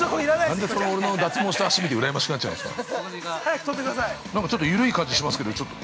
何で、俺の脱毛した足見てうらやましくなっちゃうんですか。